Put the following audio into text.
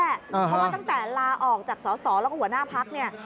เพราะว่าตั้งแต่ลาออกจากสอสอแล้วก็หัวหน้าพักเนี่ย